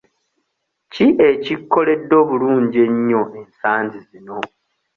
Ki ekikkoledde obulungi ennyo ensangi zino?